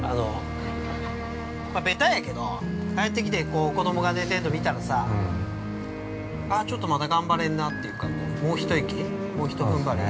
べたやけど、帰ってきて子供が寝てるの見たらなあっちょっとまだ頑張れるなというか、もう一息もう一踏ん張り◆